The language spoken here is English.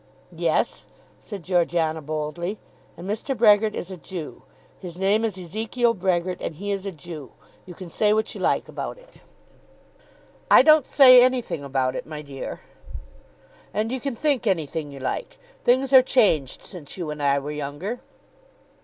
"Yes," said Georgiana boldly, "and Mr. Brehgert is a Jew. His name is Ezekiel Brehgert, and he is a Jew. You can say what you like about it." "I don't say anything about it, my dear." "And you can think anything you like. Things are changed since you and I were younger."